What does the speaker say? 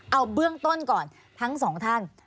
เอาเบื้องต้นก่อนทั้งสองท่าน